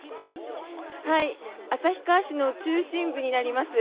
旭川市の中心部になります。